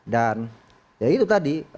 dan ya itu tadi